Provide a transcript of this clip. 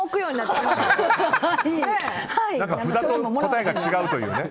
札と答えが違うという。